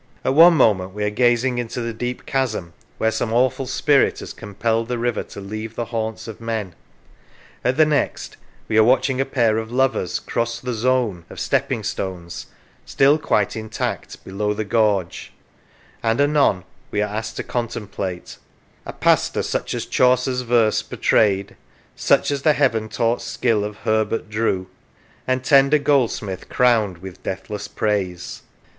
At one moment we are gazing into the deep chasm where " some awful spirit " has compelled the river to leave the haunts of men; at the next we are watching a pair of lovers cross the " zone " of stepping stones (still quite intact) below the gorge; and anon we are asked to contemplate A Pastor such as Chaucer's verse pourtray'd; Such as the Heaven taught skill of Herbert drew; And tender Goldsmith crown'd with deathless praise.